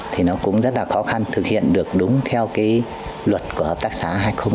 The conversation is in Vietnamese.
thì nó cũng rất là khó khăn thực hiện được đúng theo cái luật của hợp tác xã hai nghìn một mươi ba